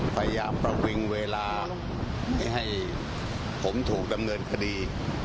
พยายามประวิงเวลาไม่ให้ผมถูกดำเนินคดี